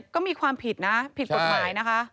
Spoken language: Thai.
ก็มีความผิดนะผิดกฎหมายนะคะ